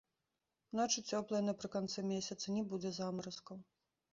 Ночы цёплыя напрыканцы месяца, не будзе замаразкаў.